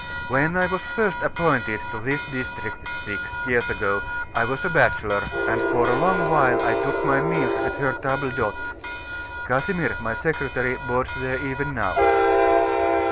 When I was first appointed to this district, six years ago, I was a bachelor, and for a long while I took my meals at her table d'hote. Casimir, my secretary, boards there even now."